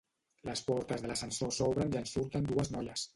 Les portes de l'ascensor s'obren i en surten dues noies.